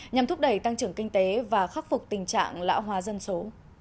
nhằm thúc đẩy tăng trưởng kinh tế và khắc phục tình trạng lão hóa dân số